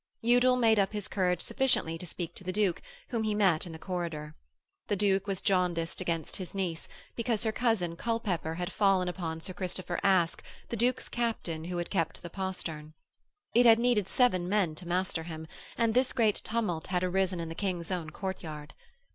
Udal made up his courage sufficiently to speak to the Duke, whom he met in a corridor. The Duke was jaundiced against his niece, because her cousin Culpepper had fallen upon Sir Christopher Aske, the Duke's captain who had kept the postern. It had needed seven men to master him, and this great tumult had arisen in the King's own courtyard.